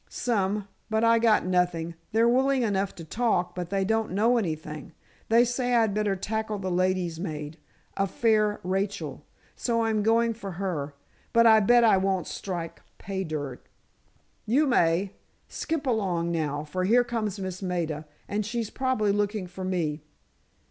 "Some. But I got nothing. They're willing enough to talk, but they don't know anything. They say I'd better tackle the ladies' maid, a fair Rachel. So I'm going for her. But I bet I won't strike pay dirt." "You may. Skip along, now, for here comes Miss Maida, and she's probably looking for me."